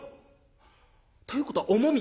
「ということは重み」。